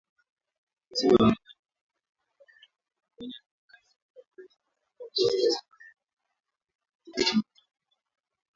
Vikosi vya Marekani vimekuwa vikifanya kazi kwa miaka mingi na vikosi vya Somalia katika juhudi zao za kudhibiti makundi ya kigaidi.